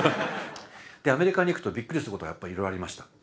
アメリカに行くとびっくりすることがやっぱりいろいろありました。